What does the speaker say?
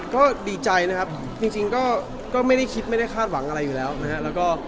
ก็ดีใจนะครับจริงก็ไม่ได้คิดไม่ได้คาดหวังอะไรอยู่แล้วนะฮะ